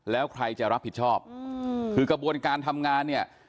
แล้วใครจะรับผิดชอบคือกระบวนการทำงานเนี่ย